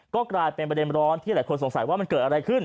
ก็กลายเป็นประเด็นร้อนที่หลายคนสงสัยว่ามันเกิดอะไรขึ้น